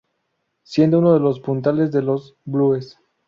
Siendo unos de los puntales de los "Blues".